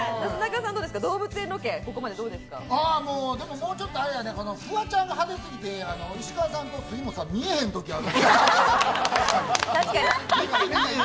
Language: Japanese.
もうちょっとアレやで、フワちゃんが派手すぎて、石川さんと杉本さん、見えへん時ある。